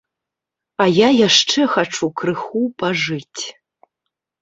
А я яшчэ хачу крыху пажыць.